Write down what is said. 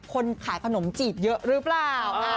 คนขาดขนมติดเยอะหรือบ้าง